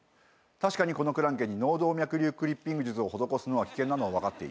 確かにこのクランケに脳動脈瘤クリッピング術を施すのは危険なのは分かっている。